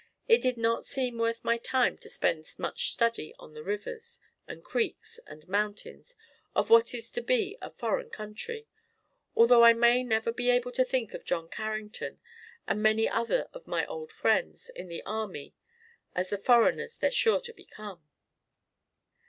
It did not seem worth my time to spend much study on the rivers, and creeks and mountains of what is to be a foreign country although I may never be able to think of John Carrington and many other of my old friends in the army as the foreigners they're sure to become.